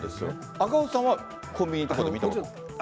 赤星さんはコンビニとかで見たことある？